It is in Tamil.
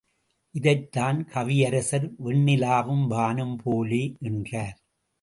இதைத்தான் கவியரசர் வெண்ணிலாவும் வானும் போலே என்றார்.